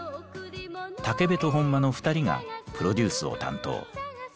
武部と本間の２人がプロデュースを担当。